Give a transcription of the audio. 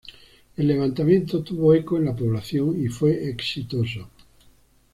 El levantamiento tuvo eco en la población y fue exitoso.